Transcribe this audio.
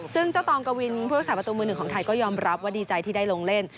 ซึ่งเจ้าตองกวินผู้รักษาประตูมือหนึ่งของไทยก็ยอมรับว่าดีใจที่ได้ลงเล่น